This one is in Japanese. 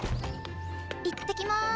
いってきます。